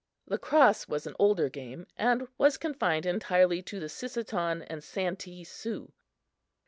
Lacrosse was an older game and was confined entirely to the Sisseton and Santee Sioux.